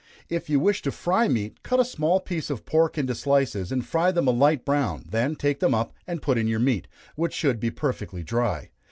If you wish to fry meat, cut a small piece of pork into slices, and fry them a light brown, then take them up and put in your meat, which should be perfectly dry.